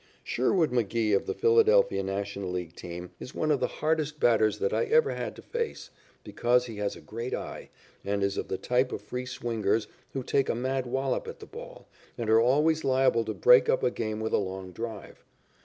Sherwood Magee of the Philadelphia National League team is one of the hardest batters that I ever have had to face, because he has a great eye, and is of the type of free swingers who take a mad wallop at the ball, and are always liable to break up a game with a long drive.